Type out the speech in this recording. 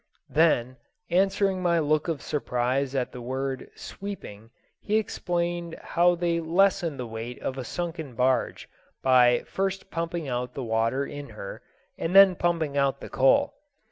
Then, answering my look of surprise at the word "sweeping," he explained how they lessen the weight of a sunken barge by first pumping out the water in her, and then pumping out the coal.